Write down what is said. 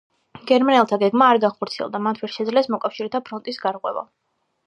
გერმანელთა გეგმა არ განხორციელდა, მათ ვერ შეძლეს მოკავშირეთა ფრონტის გარღვევა.